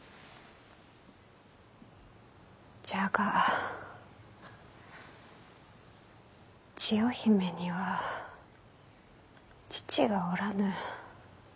じゃが千代姫には父がおらぬ。